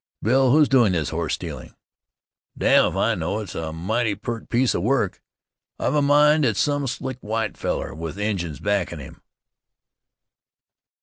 "Bill, who's doing this horse stealing?" "Damn if I know. It's a mighty pert piece of work. I've a mind it's some slick white fellar, with Injuns backin' him."